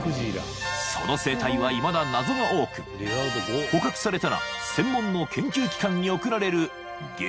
［その生態はいまだ謎が多く捕獲されたら専門の研究機関に送られる激